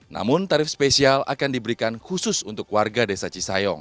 namun tarif spesial akan diberikan khusus untuk warga desa cisayong